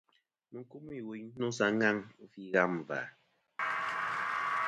Mɨ n-kumî wuyn nô sa ŋaŋ fî ghâm và..